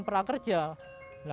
kalau pemerintah ada pelatihan lain